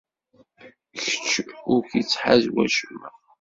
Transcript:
Kečč ur k-ittḥaz wacemma.